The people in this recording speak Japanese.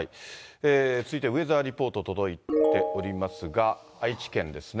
続いてウェザーリポート届いておりますが、愛知県ですね。